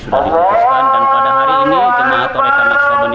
dan pada hari ini jemaah torekan aksabani